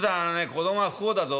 子供は不幸だぞ。